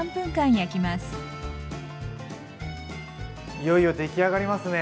いよいよできあがりますね！